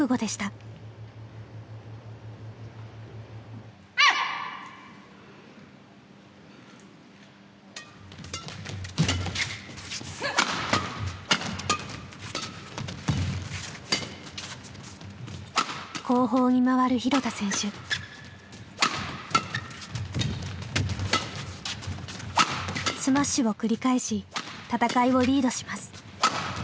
スマッシュを繰り返し戦いをリードします。